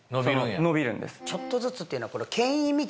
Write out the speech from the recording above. ちょっとずつっていうのは。